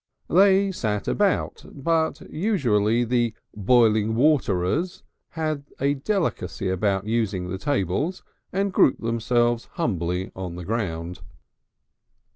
They sat about, but usually the boiling water ers had a delicacy about using the tables and grouped themselves humbly on the ground.